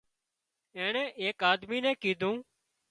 اينڻي ايڪ آۮمِي نين ڪيڌون